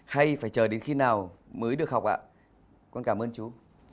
hay phải chờ đến khi nào mới được học ạ con cảm ơn chú